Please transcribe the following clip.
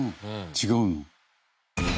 違うの？